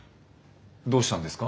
どうしたんですか？